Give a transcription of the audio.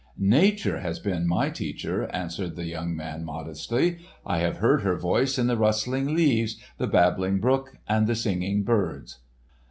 "Nature has been my teacher," answered the young man modestly. "I have heard her voice in the rustling leaves, the babbling brook, and the singing birds."